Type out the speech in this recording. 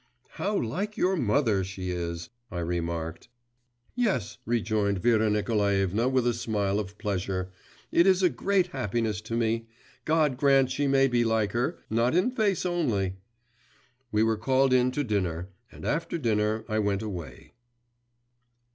'How like your mother she is!' I remarked. 'Yes,' rejoined Vera Nikolaevna with a smile of pleasure, 'it is a great happiness to me. God grant she may be like her, not in face only!' We were called in to dinner, and after dinner I went away.